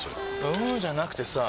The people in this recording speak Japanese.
んーじゃなくてさぁ